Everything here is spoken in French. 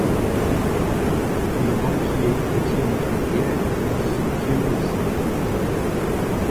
Le banquier Étienne Clavière la soutient aussi.